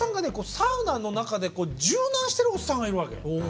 サウナの中で柔軟してるおっさんがいるわけ。